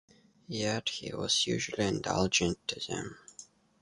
Yet he was usually indulgent to them.